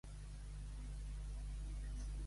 Si et fa mal el cap, faixa't els peus.